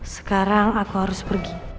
sekarang aku harus pergi